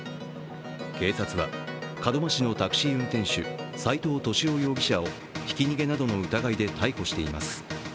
警察は、門真市のタクシー運転手斎藤敏夫容疑者をひき逃げなどの疑いで逮捕しています。